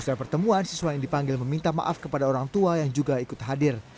setelah pertemuan siswa yang dipanggil meminta maaf kepada orang tua yang juga ikut hadir